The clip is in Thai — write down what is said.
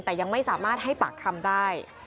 แต่ยังไม่สามารถให้ปากคำได้